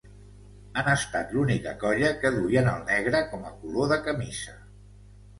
Han estat l'única colla que duien el negre com a color de camisa.